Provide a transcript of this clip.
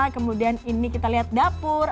kemudian ini kita lihat dapur